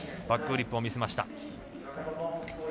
バックフリップを見せました。